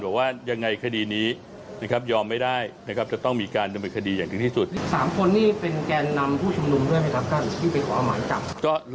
บอกว่ายังไงคดีนี้ยอมไม่ได้จะต้องมีการดำเนินคดีอย่างที่ที่สุด